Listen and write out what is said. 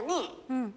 うん。